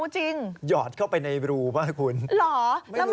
สงสารว่าคุณสงสาร